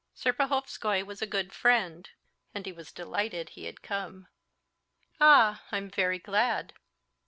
Serpuhovskoy was a good friend, and he was delighted he had come. "Ah, I'm very glad!"